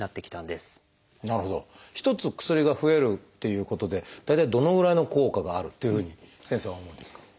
一つ薬が増えるっていうことで大体どのぐらいの効果があるというふうに先生は思うんですか？